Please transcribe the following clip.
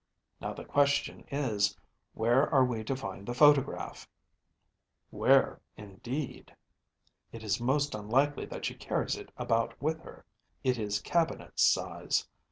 Now the question is, Where are we to find the photograph?‚ÄĚ “Where, indeed?‚ÄĚ “It is most unlikely that she carries it about with her. It is cabinet size.